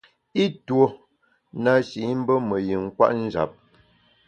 I tuo na shi i mbe me yin kwet njap.